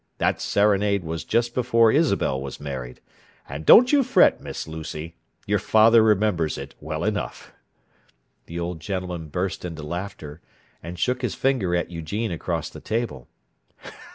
That serenade was just before Isabel was married—and don't you fret, Miss Lucy: your father remembers it well enough!" The old gentleman burst into laughter, and shook his finger at Eugene across the table.